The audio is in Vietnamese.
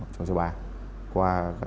cho ba qua